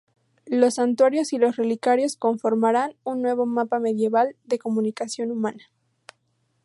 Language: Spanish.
Los santuarios y los relicarios conformarán un nuevo mapa medieval de comunicación humana.